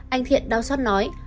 anh thiện đau xót nói